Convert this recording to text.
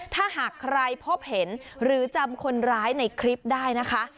ถ้าหากใครพบเห็นหรือจำคนร้ายในคลิปได้นะคะ